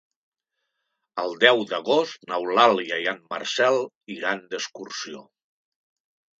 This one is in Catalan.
El deu d'agost n'Eulàlia i en Marcel iran d'excursió.